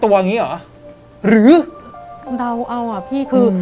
แต่ขอให้เรียนจบปริญญาตรีก่อน